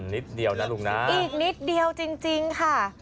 นิดเดียวนะลุงนะอีกนิดเดียวจริงค่ะ